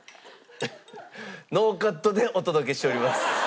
ノーカットでお届けしております。